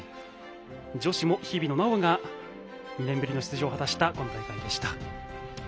女子も日比野菜緒が２年ぶりの出場を果たした今大会でした。